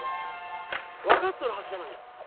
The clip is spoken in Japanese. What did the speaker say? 分かっとるはずじゃのに。